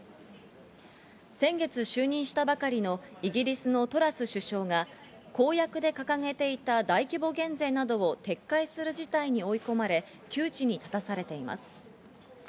先月就任したばかりのイギリスのトラス首相が公約で掲げていた、大規模減税などを撤回する事態に追い込まれ、窮地に立たされています。